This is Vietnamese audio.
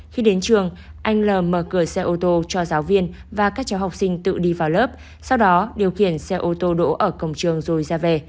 khi đến trường anh l mở cửa xe ô tô cho giáo viên và các cháu học sinh tự đi vào lớp sau đó điều khiển xe ô tô đỗ ở cổng trường rồi ra về